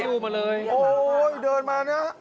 โอ้ยเดินมาน่ะ